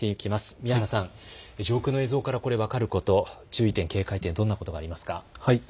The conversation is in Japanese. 宮原さん、上空の映像から分かること、注意点、警戒点どんなことがありますか。